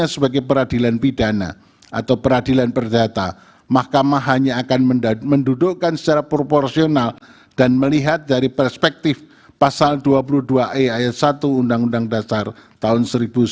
sebagai peradilan pidana atau peradilan perdata mahkamah hanya akan mendudukkan secara proporsional dan melihat dari perspektif pasal dua puluh dua e ayat satu undang undang dasar tahun seribu sembilan ratus empat puluh lima